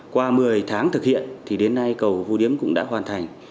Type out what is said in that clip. qua một mươi tháng thực hiện thì đến nay cầu vô điếm cũng đã hoàn thành